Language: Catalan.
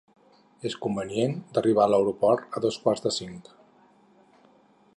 És convenient d’arribar a l’aeroport a dos quarts de cinc.